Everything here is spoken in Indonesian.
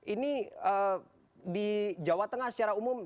ini di jawa tengah secara umum